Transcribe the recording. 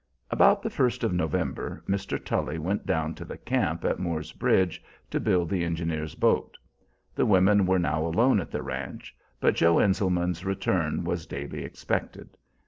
About the 1st of November Mr. Tully went down to the camp at Moor's Bridge to build the engineers' boat. The women were now alone at the ranch, but Joe Enselman's return was daily expected.